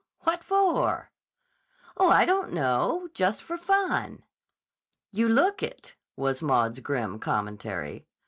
What for?" "Oh, I don't know. Just for fun." "You look it," was Maud's grim commentary.